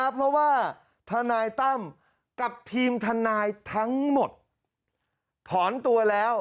เพราะว่าทนายตั้มกับทีมทนายทั้งหมดถอนตัวแล้ว